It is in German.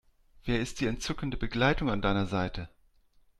Wer ist die entzückende Begleitung an deiner Seite?